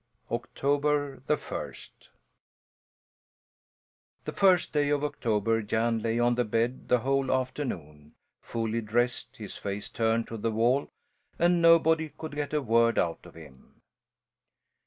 OCTOBER THE FIRST The first day of October Jan lay on the bed the whole afternoon, fully dressed, his face turned to the wall, and nobody could get a word out of him.